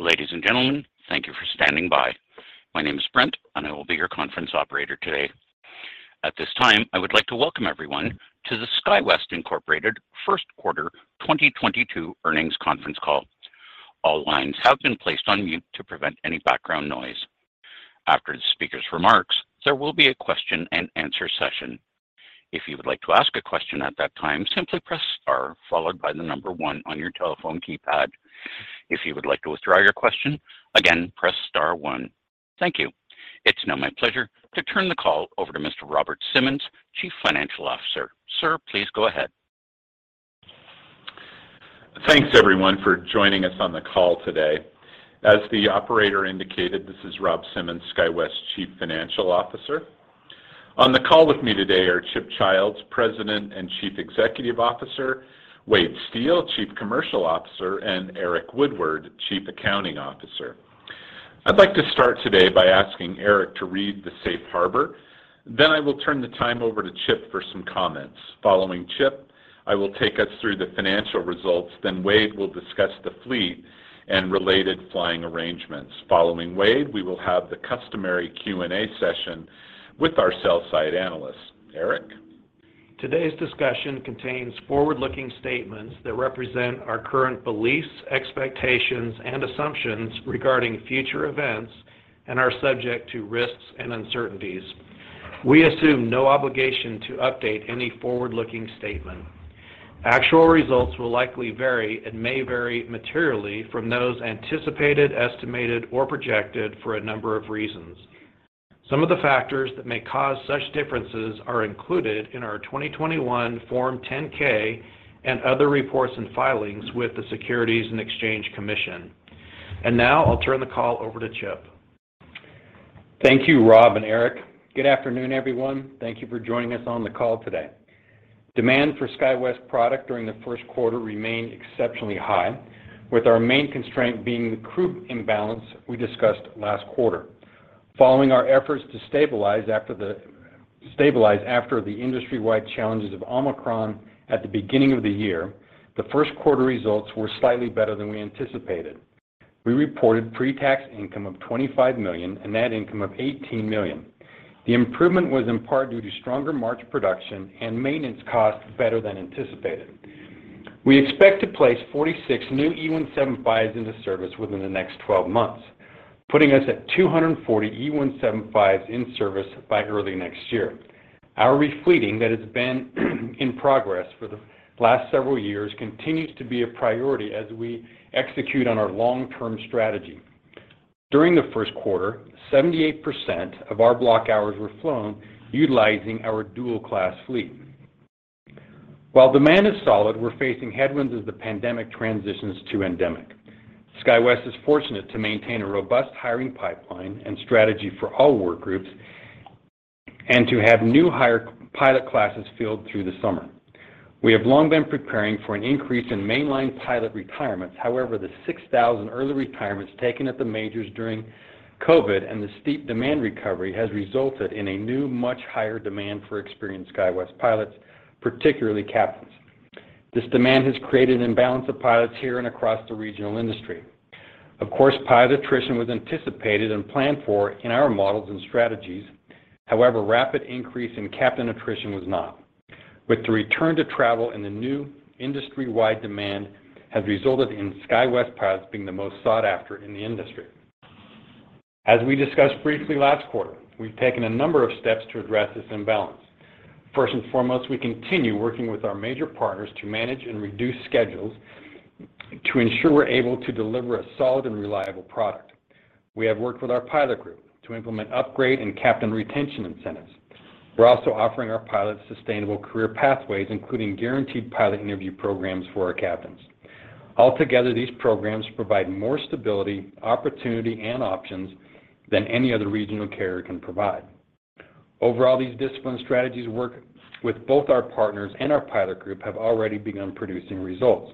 Ladies and gentlemen, thank you for standing by. My name is Brent, and I will be your conference operator today. At this time, I would like to welcome everyone to the SkyWest, Inc First Quarter 2022 Earnings Conference Call. All lines have been placed on mute to prevent any background noise. After the speaker's remarks, there will be a question-and-answer session. If you would like to ask a question at that time, simply press star followed by the number one on your telephone keypad. If you would like to withdraw your question, again, press star one. Thank you. It's now my pleasure to turn the call over to Mr. Robert Simmons, Chief Financial Officer. Sir, please go ahead. Thanks, everyone, for joining us on the call today. As the operator indicated, this is Rob Simmons, SkyWest Chief Financial Officer. On the call with me today are Chip Childs, President and Chief Executive Officer, Wade Steel, Chief Commercial Officer, and Eric Woodward, Chief Accounting Officer. I'd like to start today by asking Eric to read the Safe Harbor. Then I will turn the time over to Chip for some comments. Following Chip, I will take us through the financial results. Then Wade will discuss the fleet and related flying arrangements. Following Wade, we will have the customary Q&A session with our sell-side analysts. Eric? Today's discussion contains forward-looking statements that represent our current beliefs, expectations, and assumptions regarding future events and are subject to risks and uncertainties. We assume no obligation to update any forward-looking statement. Actual results will likely vary and may vary materially from those anticipated, estimated, or projected for a number of reasons. Some of the factors that may cause such differences are included in our 2021 Form 10-K and other reports and filings with the Securities and Exchange Commission. Now I'll turn the call over to Chip. Thank you, Rob and Eric. Good afternoon, everyone. Thank you for joining us on the call today. Demand for SkyWest product during the first quarter remained exceptionally high, with our main constraint being the crew imbalance we discussed last quarter. Following our efforts to stabilize after the industry-wide challenges of Omicron at the beginning of the year, the first quarter results were slightly better than we anticipated. We reported pre-tax income of $25 million and net income of $18 million. The improvement was in part due to stronger March production and maintenance costs better than anticipated. We expect to place 46 new E175s into service within the next twelve months, putting us at 240 E175s in service by early next year. Our re-fleeting that has been in progress for the last several years continues to be a priority as we execute on our long-term strategy. During the first quarter, 78% of our block hours were flown utilizing our dual-class fleet. While demand is solid, we're facing headwinds as the pandemic transitions to endemic. SkyWest is fortunate to maintain a robust hiring pipeline and strategy for all work groups and to have new hire pilot classes filled through the summer. We have long been preparing for an increase in mainline pilot retirements. However, the 6,000 early retirements taken at the majors during COVID and the steep demand recovery has resulted in a new, much higher demand for experienced SkyWest pilots, particularly captains. This demand has created an imbalance of pilots here and across the regional industry. Of course, pilot attrition was anticipated and planned for in our models and strategies. However, rapid increase in captain attrition was not. With the return to travel and the new industry-wide demand has resulted in SkyWest pilots being the most sought after in the industry. As we discussed briefly last quarter, we've taken a number of steps to address this imbalance. First and foremost, we continue working with our major partners to manage and reduce schedules to ensure we're able to deliver a solid and reliable product. We have worked with our pilot group to implement upgrade and captain retention incentives. We're also offering our pilots sustainable career pathways, including guaranteed pilot interview programs for our captains. Altogether, these programs provide more stability, opportunity, and options than any other regional carrier can provide. Overall, these discipline strategies work with both our partners and our pilot group have already begun producing results.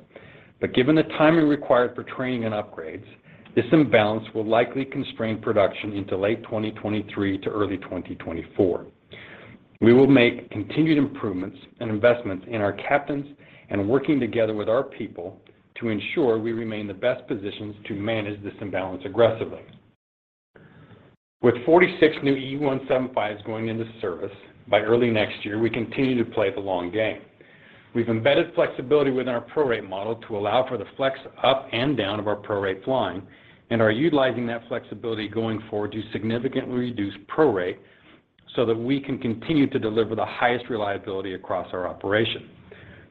Given the timing required for training and upgrades, this imbalance will likely constrain production into late 2023 to early 2024. We will make continued improvements and investments in our captains and working together with our people to ensure we remain in the best positions to manage this imbalance aggressively. With 46 new E175s going into service by early next year, we continue to play the long game. We've embedded flexibility within our prorate model to allow for the flex up and down of our prorate flying and are utilizing that flexibility going forward to significantly reduce prorate so that we can continue to deliver the highest reliability across our operation.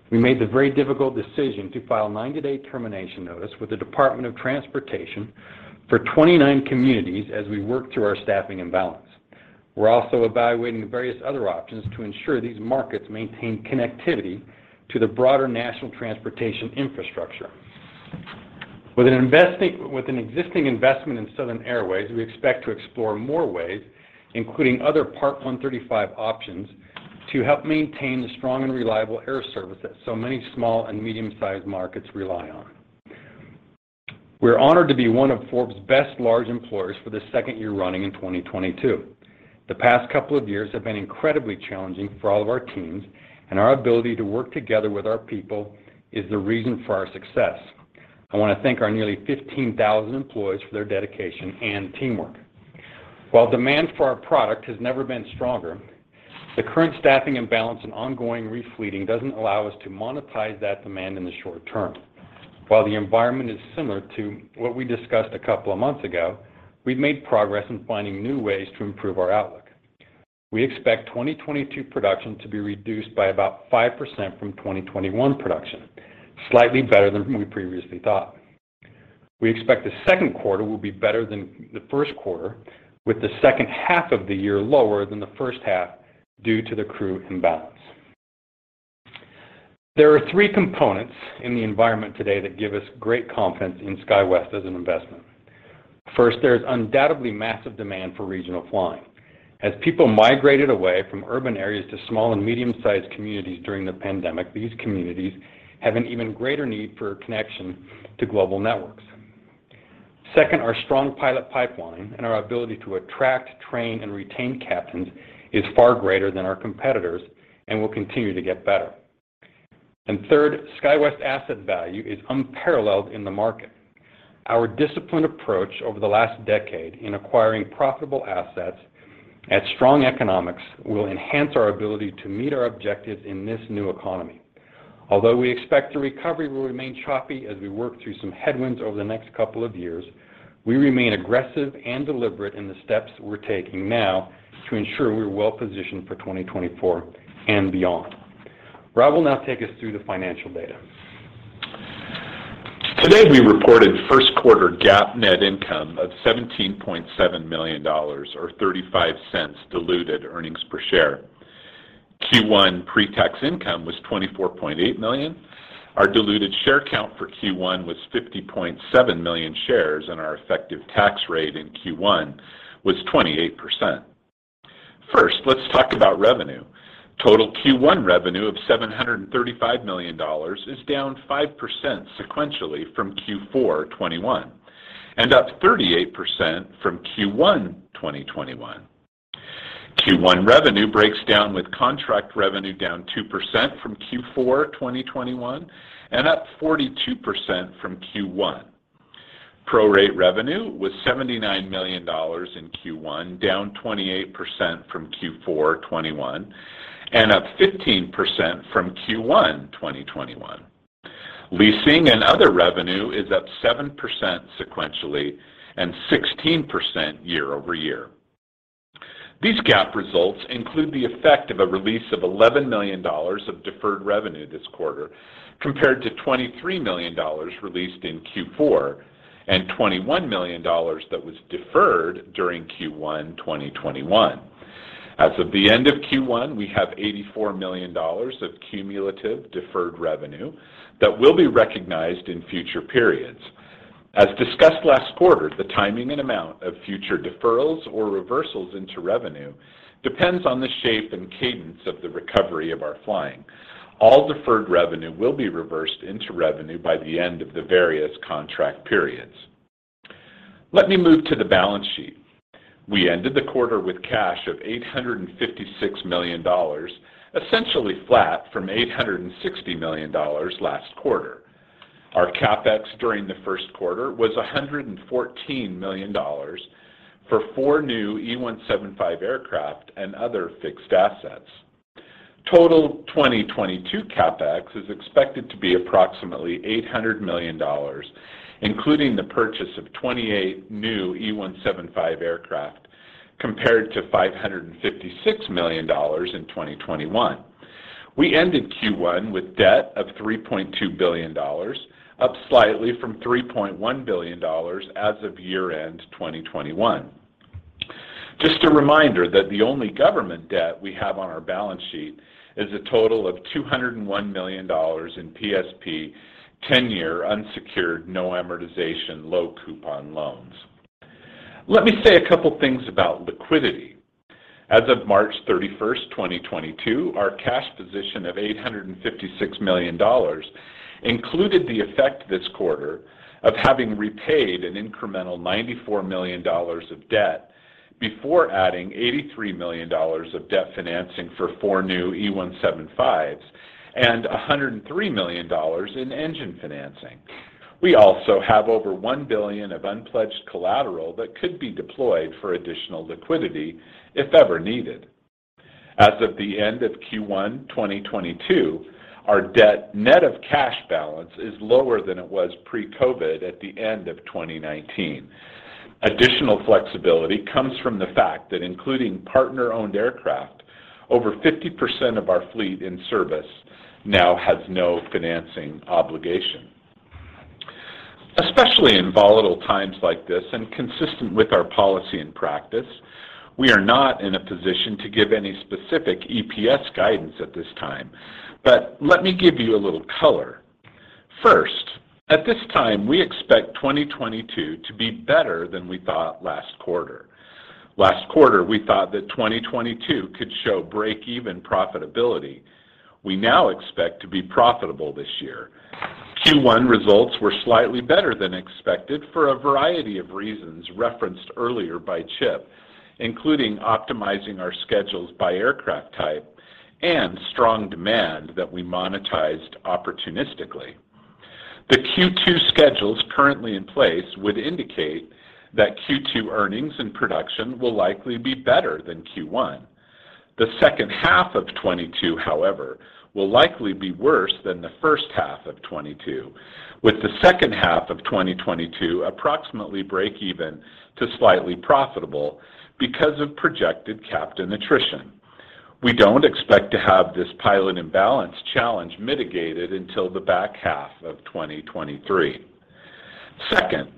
We made the very difficult decision to file 90-day termination notice with the Department of Transportation for 29 communities as we work through our staffing imbalance. We're also evaluating various other options to ensure these markets maintain connectivity to the broader national transportation infrastructure. With an existing investment in Southern Airways, we expect to explore more ways, including other Part 135 options, to help maintain the strong and reliable air service that so many small and medium-sized markets rely on. We're honored to be one of Forbes' best large employers for the second year running in 2022. The past couple of years have been incredibly challenging for all of our teams, and our ability to work together with our people is the reason for our success. I wanna thank our nearly 15,000 employees for their dedication and teamwork. While demand for our product has never been stronger, the current staffing imbalance and ongoing refleet doesn't allow us to monetize that demand in the short term. While the environment is similar to what we discussed a couple of months ago, we've made progress in finding new ways to improve our outlook. We expect 2022 production to be reduced by about 5% from 2021 production, slightly better than we previously thought. We expect the second quarter will be better than the first quarter, with the second half of the year lower than the first half due to the crew imbalance. There are three components in the environment today that give us great confidence in SkyWest as an investment. First, there's undoubtedly massive demand for regional flying. As people migrated away from urban areas to small and medium-sized communities during the pandemic, these communities have an even greater need for connection to global networks. Second, our strong pilot pipeline and our ability to attract, train, and retain captains is far greater than our competitors and will continue to get better. Third, SkyWest asset value is unparalleled in the market. Our disciplined approach over the last decade in acquiring profitable assets at strong economics will enhance our ability to meet our objectives in this new economy. Although we expect the recovery will remain choppy as we work through some headwinds over the next couple of years, we remain aggressive and deliberate in the steps we're taking now to ensure we're well-positioned for 2024 and beyond. Rob will now take us through the financial data. Today, we reported first quarter GAAP net income of $17.7 million or 0.35 Diluted earnings per share. Q1 pre-tax income was $24.8 million. Our diluted share count for Q1 was $50.7 million shares, and our effective tax rate in Q1 was 28%. First, let's talk about revenue. Total Q1 revenue of $735 million is down 5% sequentially from Q4 2021 and up 38% from Q1 2021. Q1 revenue breaks down with contract revenue down 2% from Q4 2021 and up 42% from Q1. Prorate revenue was $79 million in Q1, down 28% from Q4 2021 and up 15% from Q1 2021. Leasing and other revenue is up 7% sequentially and 16% year-over-year. These GAAP results include the effect of a release of $11 million of deferred revenue this quarter compared to $23 million released in Q4 and $21 million that was deferred during Q1 2021. As of the end of Q1, we have $84 million of cumulative deferred revenue that will be recognized in future periods. As discussed last quarter, the timing and amount of future deferrals or reversals into revenue depends on the shape and cadence of the recovery of our flying. All deferred revenue will be reversed into revenue by the end of the various contract periods. Let me move to the balance sheet. We ended the quarter with cash of $856 million, essentially flat from $860 million last quarter. Our CapEx during the first quarter was $114 million for four new E-175 aircraft and other fixed assets. Total 2022 CapEx is expected to be approximately $800 million, including the purchase of 28 new E-175 aircraft compared to $556 million in 2021. We ended Q1 with debt of $3.2 billion, up slightly from $3.1 billion as of year-end 2021. Just a reminder that the only government debt we have on our balance sheet is a total of $201 million in PSP ten-year unsecured, no amortization, low coupon loans. Let me say a couple things about liquidity. As of March 31st, 2022, our cash position of $856 million included the effect this quarter of having repaid an incremental $94 million of debt before adding $83 million of debt financing for four new E-175s and $103 million in engine financing. We also have over $1 billion of unpledged collateral that could be deployed for additional liquidity if ever needed. As of the end of Q1 2022, our debt net of cash balance is lower than it was pre-COVID at the end of 2019. Additional flexibility comes from the fact that including partner-owned aircraft, over 50% of our fleet in service now has no financing obligation. Especially in volatile times like this and consistent with our policy and practice, we are not in a position to give any specific EPS guidance at this time, but let me give you a little color. First, at this time, we expect 2022 to be better than we thought last quarter. Last quarter, we thought that 2022 could show break-even profitability. We now expect to be profitable this year. Q1 results were slightly better than expected for a variety of reasons referenced earlier by Chip, including optimizing our schedules by aircraft type and strong demand that we monetized opportunistically. The Q2 schedules currently in place would indicate that Q2 earnings and production will likely be better than Q1. The second half of 2022, however, will likely be worse than the first half of 2022, with the second half of 2022 approximately break-even to slightly profitable because of projected captain attrition. We don't expect to have this pilot imbalance challenge mitigated until the back half of 2023. Second,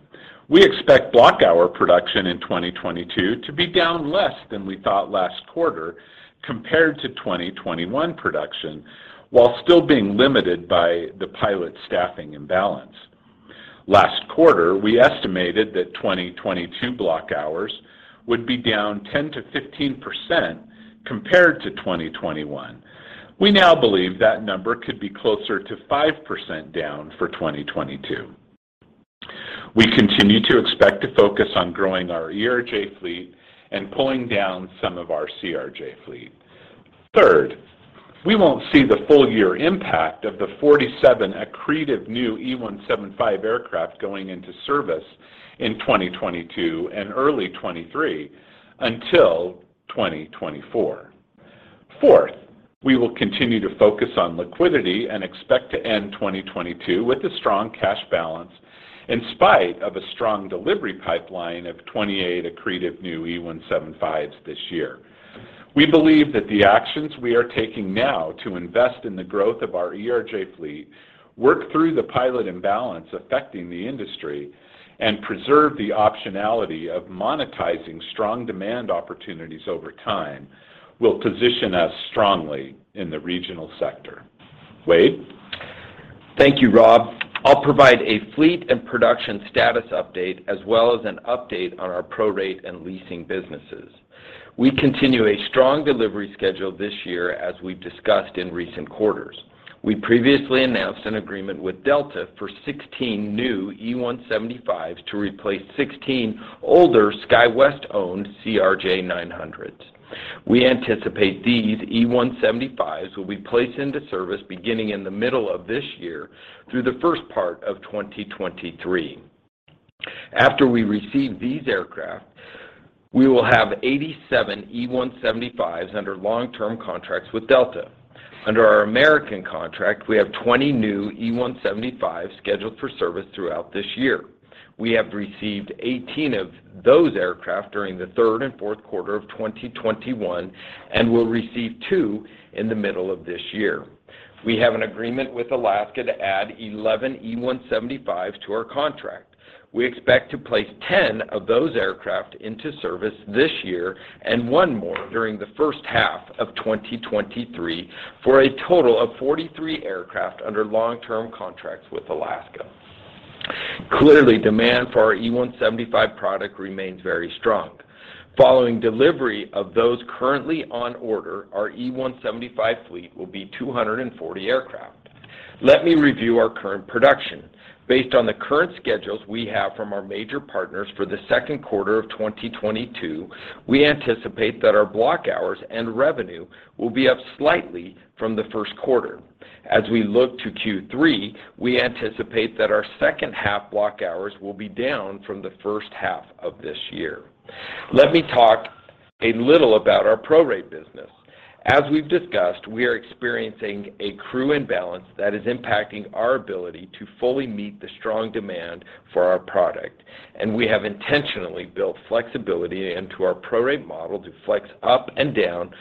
we expect block hours production in 2022 to be down less than we thought last quarter compared to 2021 production, while still being limited by the pilot staffing imbalance. Last quarter, we estimated that 2022 block hours would be down 10%-15% compared to 2021. We now believe that number could be closer to 5% down for 2022. We continue to expect to focus on growing our ERJ fleet and pulling down some of our CRJ fleet. Third, we won't see the full year impact of the 47% accretive new E-175 aircraft going into service in 2022 and early 2023 until 2024. Fourth, we will continue to focus on liquidity and expect to end 2022 with a strong cash balance in spite of a strong delivery pipeline of 28% accretive new E-175s this year. We believe that the actions we are taking now to invest in the growth of our ERJ fleet work through the pilot imbalance affecting the industry and preserve the optionality of monetizing strong demand opportunities over time will position us strongly in the regional sector. Wade? Thank you, Rob. I'll provide a fleet and production status update as well as an update on our prorate and leasing businesses. We continue a strong delivery schedule this year as we've discussed in recent quarters. We previously announced an agreement with Delta for 16 new E-175s to replace 16 older SkyWest-owned CRJ-900s. We anticipate these E-175s will be placed into service beginning in the middle of this year through the first part of 2023. After we receive these aircraft, we will have 87 E-175s under long-term contracts with Delta. Under our American contract, we have 20 new E-175s scheduled for service throughout this year. We have received 18 of those aircraft during the third and fourth quarter of 2021 and will receive two in the middle of this year. We have an agreement with Alaska to add 11 E-175s to our contract. We expect to place 10 of those aircraft into service this year and one more during the first half of 2023, for a total of 43 aircraft under long-term contracts with Alaska. Clearly, demand for our E-175 product remains very strong. Following delivery of those currently on order, our E-175 fleet will be 240 aircraft. Let me review our current production. Based on the current schedules we have from our major partners for the second quarter of 2022, we anticipate that our block hours and revenue will be up slightly from the first quarter. As we look to Q3, we anticipate that our second half block hours will be down from the first half of this year. Let me talk a little about our prorate business. As we've discussed, we are experiencing a crew imbalance that is impacting our ability to fully meet the strong demand for our product, and we have intentionally built flexibility into our prorate model to flex up and down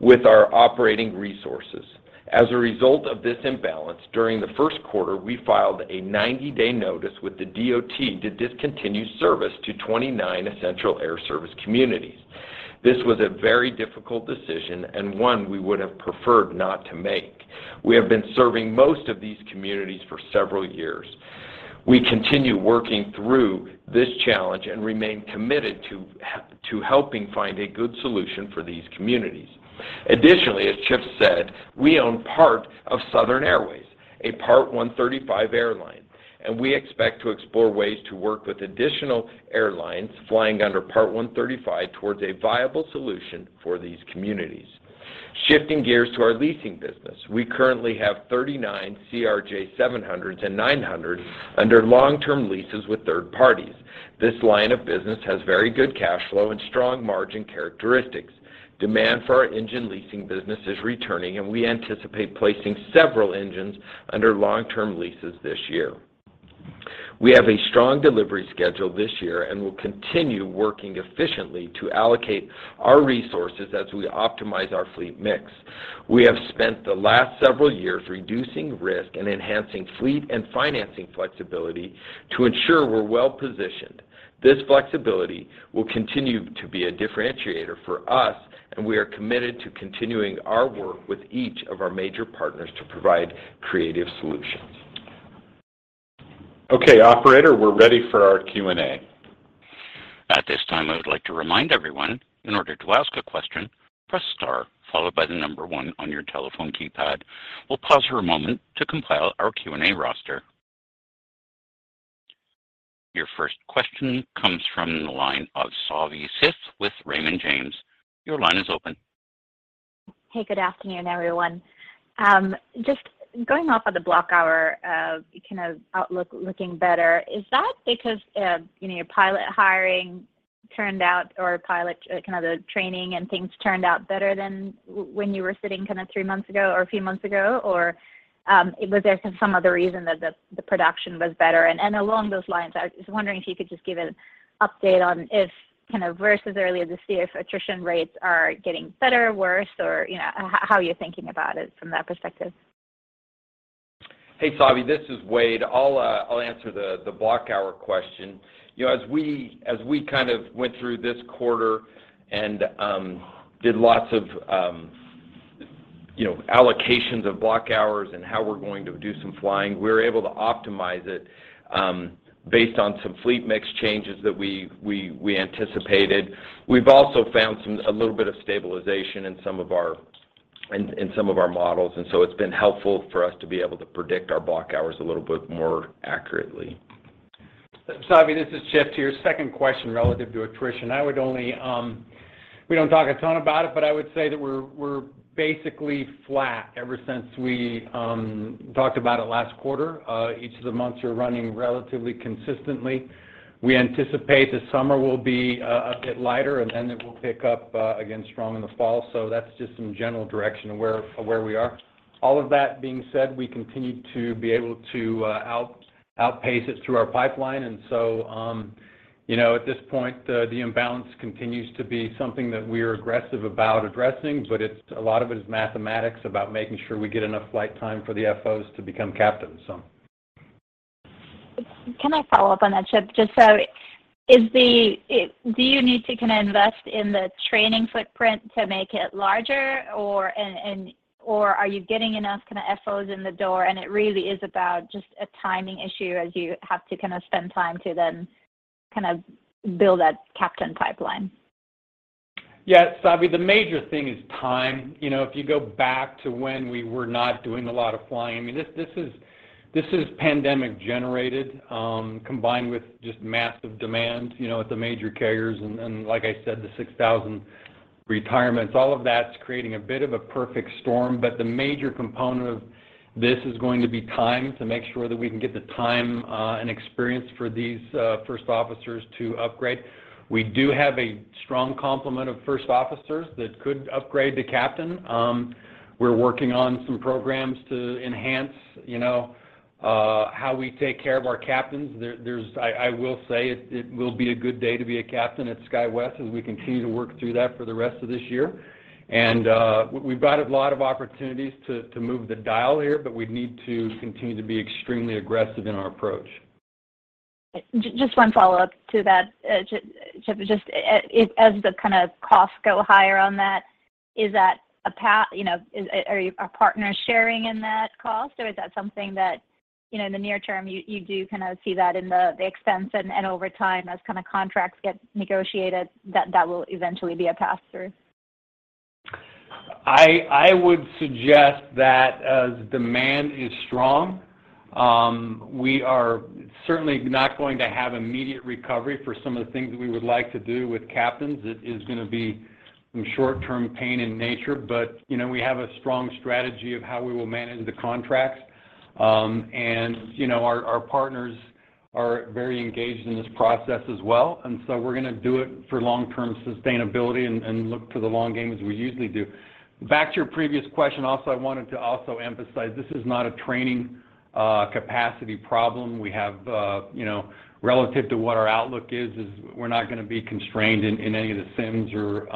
with our operating resources. As a result of this imbalance, during the first quarter, we filed a 90-day notice with the DOT to discontinue service to 29 Essential Air Service communities. This was a very difficult decision and one we would have preferred not to make. We have been serving most of these communities for several years. We continue working through this challenge and remain committed to helping find a good solution for these communities. Additionally, as Chip said, we own part of Southern Airways, a Part 135 airline, and we expect to explore ways to work with additional airlines flying under Part 135 towards a viable solution for these communities. Shifting gears to our leasing business. We currently have 39 CRJ700s and 900s under long-term leases with third parties. This line of business has very good cash flow and strong margin characteristics. Demand for our engine leasing business is returning, and we anticipate placing several engines under long-term leases this year. We have a strong delivery schedule this year and will continue working efficiently to allocate our resources as we optimize our fleet mix. We have spent the last several years reducing risk and enhancing fleet and financing flexibility to ensure we're well-positioned. This flexibility will continue to be a differentiator for us, and we are committed to continuing our work with each of our major partners to provide creative solutions. Okay, operator, we're ready for our Q&A. At this time, I would like to remind everyone, in order to ask a question, press star followed by the number one on your telephone keypad. We'll pause for a moment to compile our Q&A roster. Your first question comes from the line of Savi Syth with Raymond James. Your line is open. Hey, good afternoon, everyone. Just going off of the block hours outlook looking better, is that because you know, pilot hiring turned out or pilot kind of the training and things turned out better than when you were sitting kind of three months ago or a few months ago? Or, was there some other reason that the production was better? Along those lines, I was just wondering if you could just give an update on if kind of versus earlier this year if attrition rates are getting better or worse or, you know, how you're thinking about it from that perspective. Hey, Savi, this is Wade. I'll answer the block hours question. You know, as we kind of went through this quarter and did lots of, you know, allocations of block hours and how we're going to do some flying, we were able to optimize it based on some fleet mix changes that we anticipated. We've also found a little bit of stabilization in some of our models, and so it's been helpful for us to be able to predict our block hours a little bit more accurately. Savi, this is Chip here. Second question relative to attrition. We don't talk a ton about it, but I would say that we're basically flat ever since we talked about it last quarter. Each of the months are running relatively consistently. We anticipate the summer will be a bit lighter, and then it will pick up again strong in the fall. That's just some general direction of where we are. All of that being said, we continue to be able to outpace it through our pipeline. You know, at this point, the imbalance continues to be something that we're aggressive about addressing, but it's a lot of it is mathematics about making sure we get enough flight time for the FOs to become captains. Can I follow up on that, Chip? Do you need to kind of invest in the training footprint to make it larger? Or are you getting enough kind of FOs in the door and it really is about just a timing issue as you have to kind of spend time to then kind of build that captain pipeline? Yeah, Savi, the major thing is time. You know, if you go back to when we were not doing a lot of flying, I mean, this is pandemic generated, combined with just massive demand, you know, at the major carriers and then, like I said, the 6,000 retirements. All of that's creating a bit of a perfect storm. The major component of this is going to be time to make sure that we can get the time and experience for these first officers to upgrade. We do have a strong complement of first officers that could upgrade to captain. We're working on some programs to enhance, you know, how we take care of our captains. I will say it will be a good day to be a captain at SkyWest as we continue to work through that for the rest of this year. We've got a lot of opportunities to move the dial here, but we need to continue to be extremely aggressive in our approach. Just one follow-up to that, Chip. Just as the kind of costs go higher on that, you know, are your partners sharing in that cost? Or is that something that, you know, in the near term, you do kind of see that in the expense and over time as kind of contracts get negotiated, that will eventually be a pass-through? I would suggest that as demand is strong, we are certainly not going to have immediate recovery for some of the things we would like to do with captains. It is gonna be some short-term pain in nature. You know, we have a strong strategy of how we will manage the contracts. You know, our partners are very engaged in this process as well. We're gonna do it for long-term sustainability and look for the long game as we usually do. Back to your previous question also, I wanted to also emphasize this is not a training capacity problem. We have you know, relative to what our outlook is, we're not gonna be constrained in any of the sims or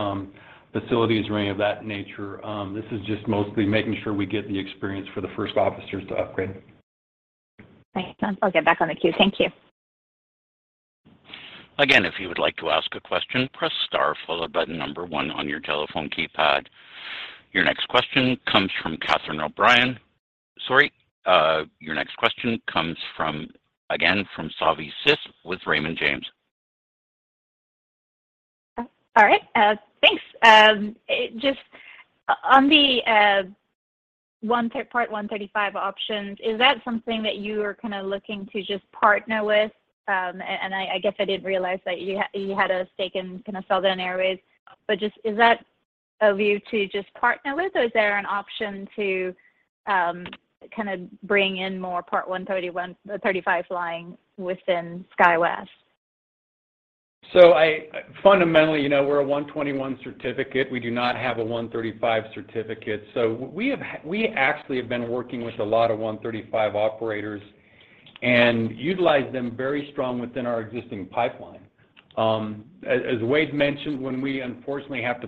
facilities or any of that nature. This is just mostly making sure we get the experience for the first officers to upgrade. Thanks. I'll get back on the queue. Thank you. Again, if you would like to ask a question, press star followed by the number one on your telephone keypad. Your next question comes from Catherine O'Brien. Sorry, your next question comes from, again, Savi Syth with Raymond James. All right. Thanks. Just on the Part 135 options, is that something that you are kind of looking to just partner with? I guess I didn't realize that you had a stake in kind of Southern Airways. Just is that a view to just partner with or is there an option to kind of bring in more Part 135 flying within SkyWest? Fundamentally, you know, we're a 121 certificate. We do not have a 135 certificate. We actually have been working with a lot of 135 operators and utilize them very strongly within our existing pipeline. As Wade mentioned, when we unfortunately had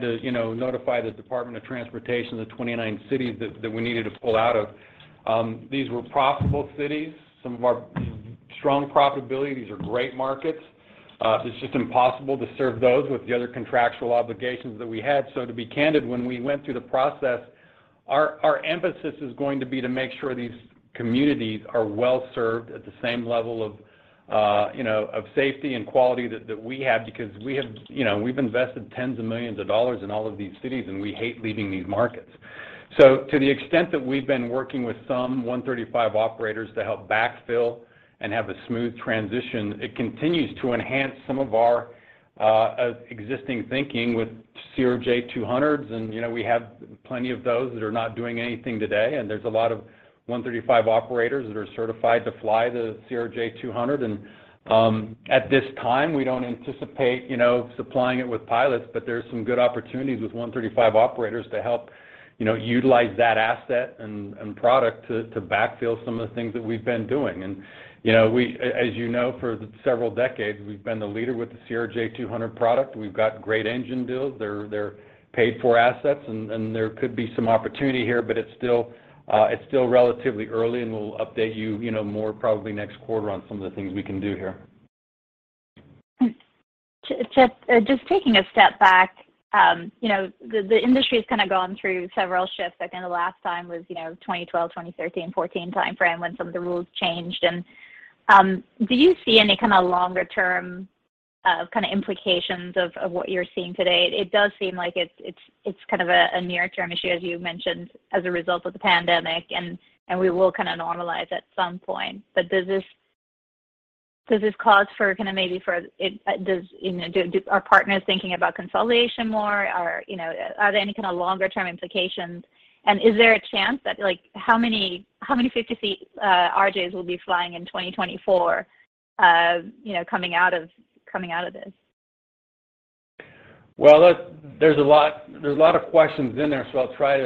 to, you know, notify the Department of Transportation, the 29 cities that we needed to pull out of, these were profitable cities, some of our strongest profitability. These are great markets. It's just impossible to serve those with the other contractual obligations that we had. To be candid, when we went through the process. Our our emphasis is going to be to make sure these communities are well-served at the same level of, you know, safety and quality that we have because we have you know, we've invested tens of millions of dollars in all of these cities, and we hate leaving these markets. To the extent that we've been working with some Part 135 operators to help backfill and have a smooth transition, it continues to enhance some of our existing thinking with CRJ 200s, and, you know, we have plenty of those that are not doing anything today, and there's a lot of Part 135 operators that are certified to fly the CRJ 200. At this time, we don't anticipate, you know, supplying it with pilots, but there's some good opportunities with 135 operators to help, you know, utilize that asset and product to backfill some of the things that we've been doing. As you know, for several decades, we've been the leader with the CRJ 200 product. We've got great engine deals. They're paid-for assets, and there could be some opportunity here, but it's still relatively early, and we'll update you know, more probably next quarter on some of the things we can do here. Chip, just taking a step back, you know, the industry's kind of gone through several shifts. I think the last time was, you know, 2012, 2013, 2014 timeframe when some of the rules changed. Do you see any kind of longer term kind of implications of what you're seeing today? It does seem like it's kind of a near-term issue, as you mentioned, as a result of the pandemic, and we will kind of normalize at some point. But does this cause for kind of maybe for, you know, do our partners thinking about consolidation more? Or, you know, are there any kind of longer term implications? And is there a chance that, like, how many 50-seat RJs will be flying in 2024, you know, coming out of this? Well, look, there's a lot of questions in there, so I'll try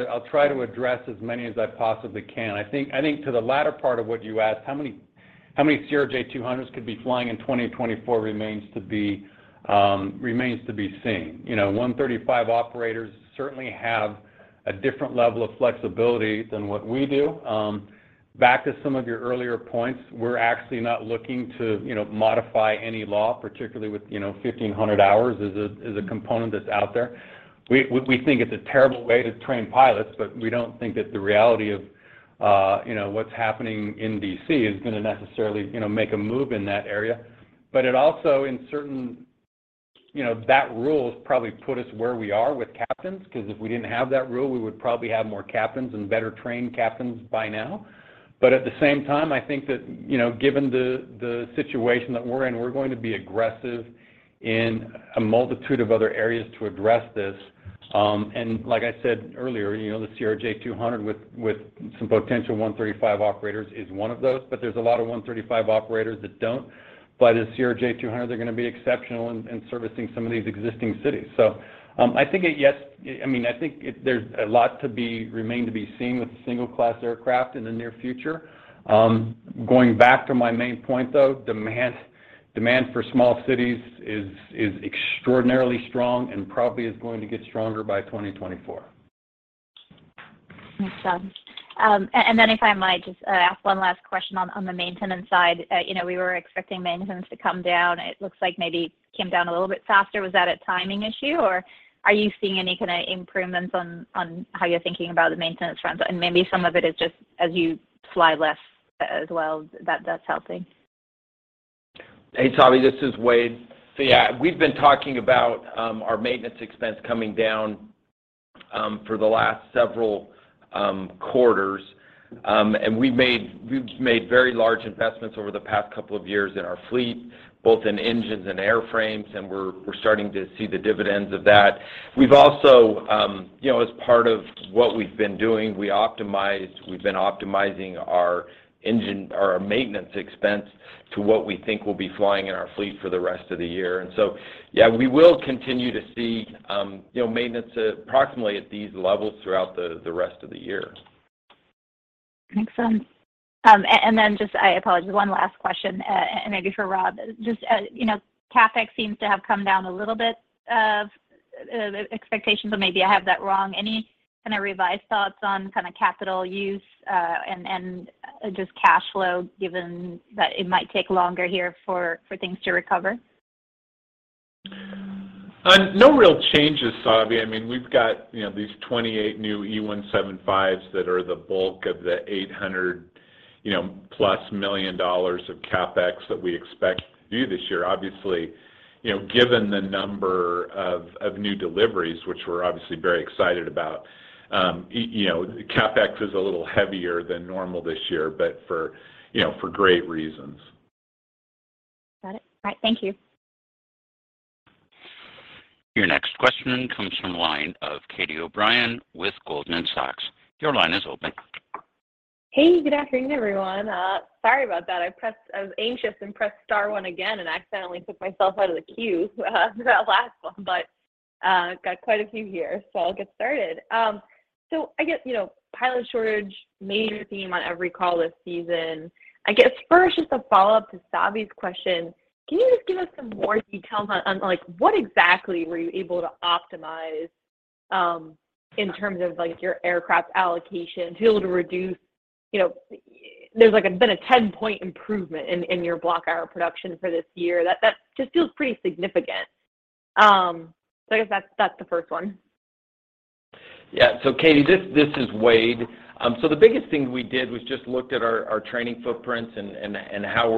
to address as many as I possibly can. I think to the latter part of what you asked, how many CRJ 200s could be flying in 2024 remains to be seen. You know, Part 135 operators certainly have a different level of flexibility than what we do. Back to some of your earlier points, we're actually not looking to, you know, modify any law, particularly with, you know, 1,500 hours as a component that's out there. We think it's a terrible way to train pilots, but we don't think that the reality of, you know, what's happening in D.C. is gonna necessarily, you know, make a move in that area. But it also, in certain. You know, that rule has probably put us where we are with captains, 'cause if we didn't have that rule, we would probably have more captains and better trained captains by now. At the same time, I think that, you know, given the situation that we're in, we're going to be aggressive in a multitude of other areas to address this. Like I said earlier, you know, the CRJ 200 with some potential 135 operators is one of those. There's a lot of 135 operators that don't. As CRJ 200, they're gonna be exceptional in servicing some of these existing cities. I mean, I think there's a lot remains to be seen with the single-class aircraft in the near future. Going back to my main point, though, demand for small cities is extraordinarily strong and probably is going to get stronger by 2024. Makes sense. If I might just ask one last question on the maintenance side. You know, we were expecting maintenance to come down. It looks like maybe it came down a little bit faster. Was that a timing issue, or are you seeing any kind of improvements on how you're thinking about the maintenance front? Maybe some of it is just as you fly less as well, that's helping. Hey, Savi, this is Wade. Yeah, we've been talking about our maintenance expense coming down for the last several quarters. We've made very large investments over the past couple of years in our fleet, both in engines and airframes, and we're starting to see the dividends of that. We've also, you know, as part of what we've been doing, we've been optimizing our maintenance expense to what we think will be flying in our fleet for the rest of the year. Yeah, we will continue to see, you know, maintenance approximately at these levels throughout the rest of the year. Makes sense. Then just, I apologize, one last question, and maybe for Rob. Just, you know, CapEx seems to have come down a little bit from expectations, or maybe I have that wrong. Any kind of revised thoughts on kind of capital use, and just cash flow, given that it might take longer here for things to recover? No real changes, Savi. I mean, we've got, you know, these 28 new E-175s that are the bulk of the $800 million plus of CapEx that we expect to do this year. Obviously, you know, given the number of new deliveries, which we're obviously very excited about, you know, CapEx is a little heavier than normal this year, but, you know, for great reasons. Got it. All right. Thank you. Your next question comes from the line of Catie O'Brien with Goldman Sachs. Your line is open. Hey, good afternoon, everyone. Sorry about that. I was anxious and pressed star one again and accidentally took myself out of the queue for that last one. Got quite a few here, so I'll get started. I guess, you know, pilot shortage, major theme on every call this season. I guess first, just a follow-up to Savi's question. Can you just give us some more details on, like, what exactly were you able to optimize in terms of, like, your aircraft allocation to be able to reduce. You know, there's, like, been a 10-point improvement in your block hours production for this year. That just feels pretty significant. I guess that's the first one. Yeah. Katie, this is Wade. The biggest thing we did was just looked at our training footprints and how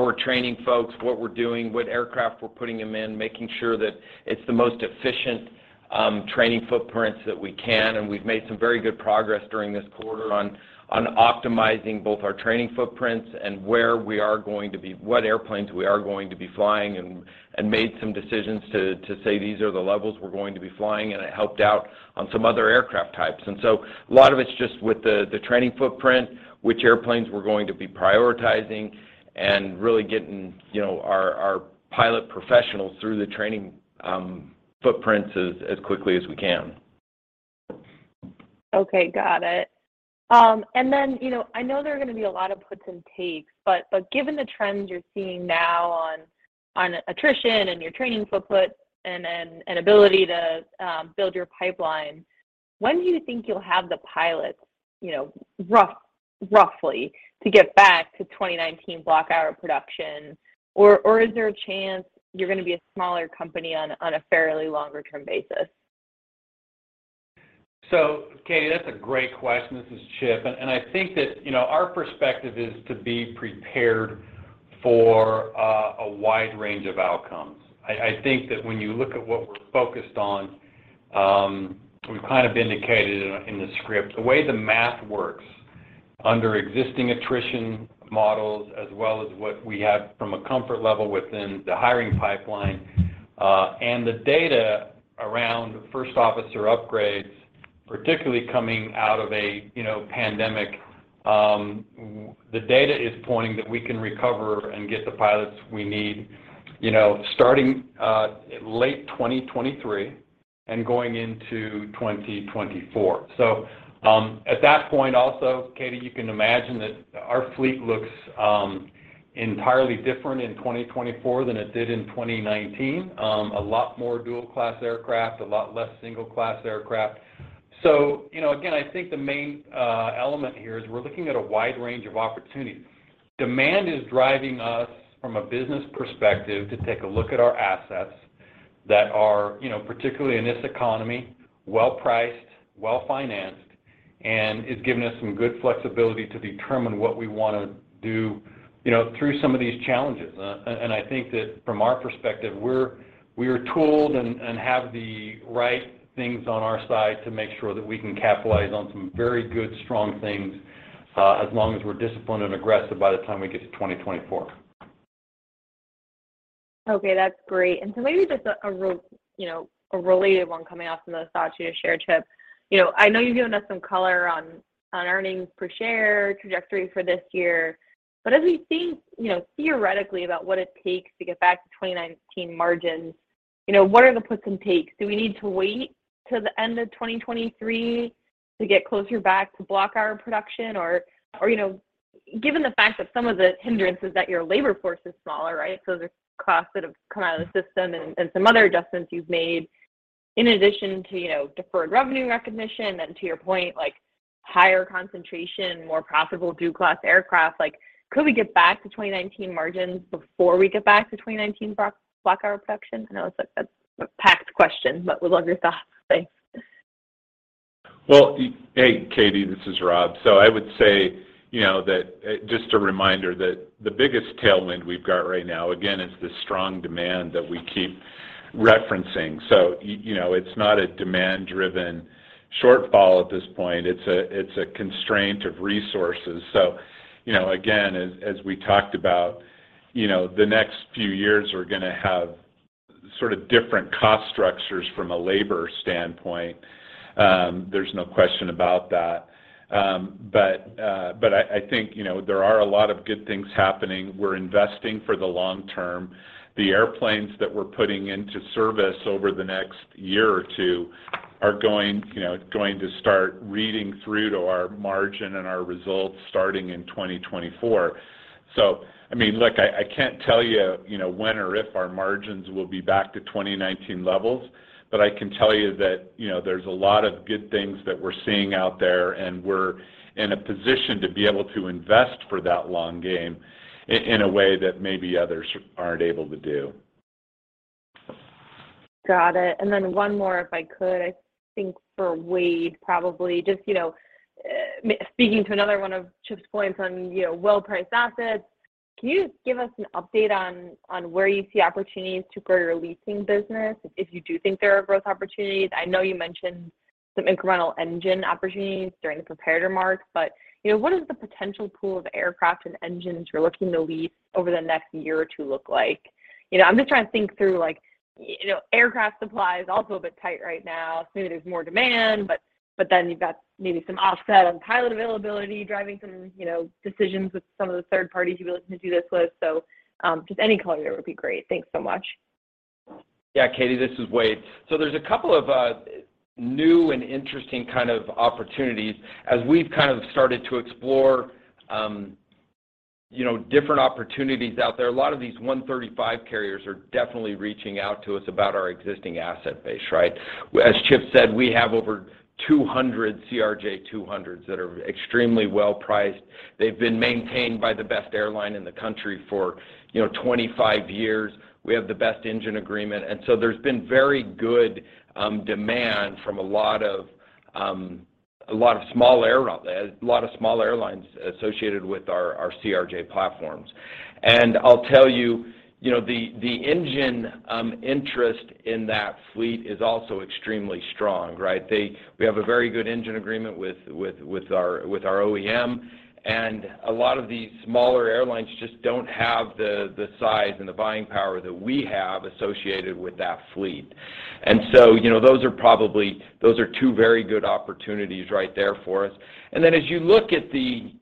we're training folks, what we're doing, what aircraft we're putting them in, making sure that it's the most efficient training footprints that we can. We've made some very good progress during this quarter on optimizing both our training footprints and where we are going to be, what airplanes we are going to be flying, and made some decisions to say these are the levels we're going to be flying, and it helped out on some other aircraft types. A lot of it's just with the training footprint, which airplanes we're going to be prioritizing, and really getting, you know, our pilot professionals through the training footprints as quickly as we can. Okay. Got it. You know, I know there are gonna be a lot of puts and takes, but given the trends you're seeing now on attrition and your training footprint and ability to build your pipeline, when do you think you'll have the pilots, you know, roughly to get back to 2019 block hour production? Is there a chance you're gonna be a smaller company on a fairly longer term basis? Katie, that's a great question. This is Chip. I think that you know our perspective is to be prepared for a wide range of outcomes. I think that when you look at what we're focused on we've kind of indicated in the script the way the math works under existing attrition models as well as what we have from a comfort level within the hiring pipeline and the data around first officer upgrades particularly coming out of a you know pandemic the data is pointing that we can recover and get the pilots we need you know starting late 2023 and going into 2024. At that point also Katie you can imagine that our fleet looks entirely different in 2024 than it did in 2019. A lot more dual-class aircraft, a lot less single class aircraft. You know, again, I think the main element here is we're looking at a wide range of opportunities. Demand is driving us from a business perspective to take a look at our assets that are, you know, particularly in this economy, well-priced, well-financed, and is giving us some good flexibility to determine what we want to do, you know, through some of these challenges. I think that from our perspective, we are tooled and have the right things on our side to make sure that we can capitalize on some very good strong things, as long as we're disciplined and aggressive by the time we get to 2024. Okay. That's great. Maybe just a related one coming off some of the thoughts you just shared, Chip. You know, I know you've given us some color on earnings per share trajectory for this year, but as we think, you know, theoretically about what it takes to get back to 2019 margins, you know, what are the puts and takes? Do we need to wait till the end of 2023 to get closer back to block hour production? Or, you know, given the fact that some of the hindrance is that your labor force is smaller, right? Those are costs that have come out of the system and some other adjustments you've made in addition to, you know, deferred revenue recognition, and to your point, like higher concentration, more profitable dual-class aircraft. Like, could we get back to 2019 margins before we get back to 2019 block hour production? I know it's like a packed question, but would love your thoughts. Thanks. Well, hey, Catie, this is Rob. I would say, you know, that just a reminder that the biggest tailwind we've got right now, again, is the strong demand that we keep referencing. You know, it's not a demand-driven shortfall at this point, it's a constraint of resources. You know, again, as we talked about, you know, the next few years are gonna have sort of different cost structures from a labor standpoint. There's no question about that. I think, you know, there are a lot of good things happening. We're investing for the long term. The airplanes that we're putting into service over the next year or two are going to start reading through to our margin and our results starting in 2024. I mean, look, I can't tell you know, when or if our margins will be back to 2019 levels, but I can tell you that, you know, there's a lot of good things that we're seeing out there, and we're in a position to be able to invest for that long game in a way that maybe others aren't able to do. Got it. One more, if I could. I think for Wade probably. Just, you know, speaking to another one of Chip's points on, you know, well-priced assets. Can you give us an update on where you see opportunities to grow your leasing business, if you do think there are growth opportunities? I know you mentioned some incremental engine opportunities during the prepared remarks, but, you know, what is the potential pool of aircraft and engines you're looking to lease over the next year or two look like? You know, I'm just trying to think through like, you know, aircraft supply is also a bit tight right now, so maybe there's more demand, but then you've got maybe some offset on pilot availability, driving some, you know, decisions with some of the third parties you'd be looking to do this with. Just any color there would be great. Thanks so much. Yeah, Catie, this is Wade. There's a couple of new and interesting kind of opportunities as we've kind of started to explore, you know, different opportunities out there. A lot of these Part 135 carriers are definitely reaching out to us about our existing asset base, right? As Chip said, we have over 200 CRJ 200s that are extremely well priced. They've been maintained by the best airline in the country for, you know, 25 years. We have the best engine agreement, and so there's been very good demand from a lot of, a lot of small airlines associated with our CRJ platforms. I'll tell you know, the engine interest in that fleet is also extremely strong, right? We have a very good engine agreement with our OEM, and a lot of these smaller airlines just don't have the size and the buying power that we have associated with that fleet. You know, those are two very good opportunities right there for us. Then as you look at the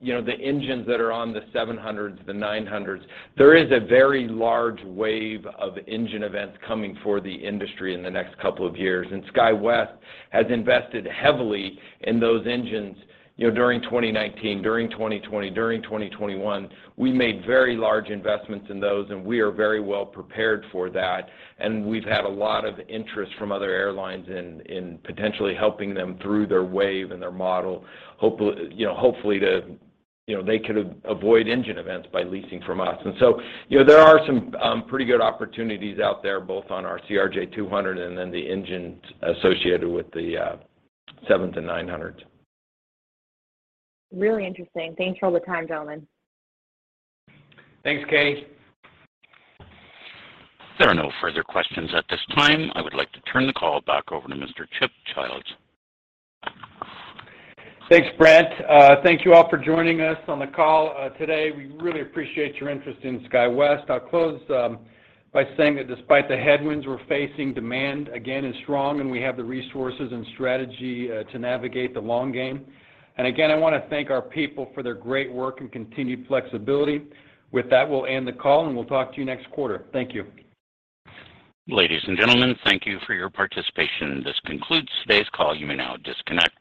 engines that are on the 700s, the 900s, there is a very large wave of engine events coming for the industry in the next couple of years. SkyWest has invested heavily in those engines, you know, during 2019, during 2020, during 2021. We made very large investments in those, and we are very well prepared for that. We've had a lot of interest from other airlines in potentially helping them through their wave and their model, hopefully to, you know, they could avoid engine events by leasing from us. You know, there are some pretty good opportunities out there, both on our CRJ 200 and then the engines associated with the $700 million to 900 million. Really interesting. Thanks for all the time, gentlemen. Thanks, Catie. There are no further questions at this time. I would like to turn the call back over to Mr. Chip Childs. Thanks, Brent. Thank you all for joining us on the call, today. We really appreciate your interest in SkyWest. I'll close, by saying that despite the headwinds we're facing, demand again is strong, and we have the resources and strategy, to navigate the long game. Again, I wanna thank our people for their great work and continued flexibility. With that, we'll end the call, and we'll talk to you next quarter. Thank you. Ladies and gentlemen, thank you for your participation. This concludes today's call. You may now disconnect.